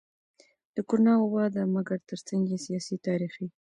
د کرونا وبا ده مګر ترڅنګ يې سياسي, تاريخي,